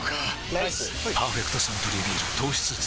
ライス「パーフェクトサントリービール糖質ゼロ」